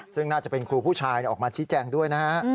ซึ่งน่าจะเป็นครูผู้ชายออกมาชี้แจงด้วยนะฮะ